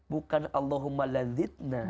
bukan allahumma ladhitna